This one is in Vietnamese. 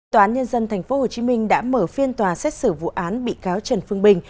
tòa án nhân dân tp hcm đã mở phiên tòa xét xử vụ án bị cáo trần phương bình